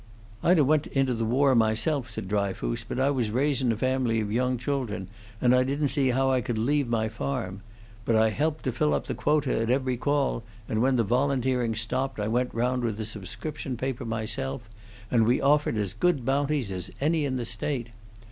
"I'd 'a' went into the war myself," said Dryfoos, "but I was raisin' a family of young children, and I didn't see how I could leave my farm. But I helped to fill up the quota at every call, and when the volunteering stopped I went round with the subscription paper myself; and we offered as good bounties as any in the State.